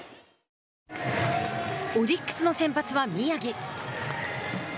オリックスの先発は宮城。